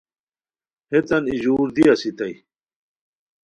ہیتان ای ژور دی اسیتائے